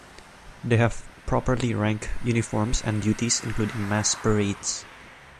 They have properly ranked uniforms and duties including mass parades.